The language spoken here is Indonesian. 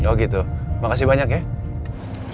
oh gitu makasih banyak ya